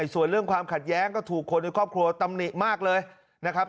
ส่วนเรื่องความขัดแย้งก็ถูกคนในครอบครัวตำหนิมากเลยนะครับ